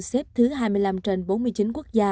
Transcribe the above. xếp thứ hai mươi năm trên bốn mươi chín quốc gia